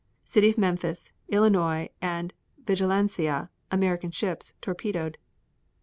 18. City of Memphis, Illinois, and Vigilancia, American ships, torpedoed.